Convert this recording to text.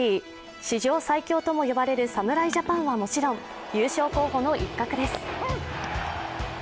史上最強とも言われる侍ジャパンはもちろん優勝候補の一角です。